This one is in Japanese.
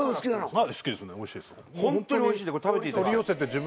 はい。